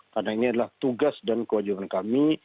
karena ini adalah tugas dan kewajiban kami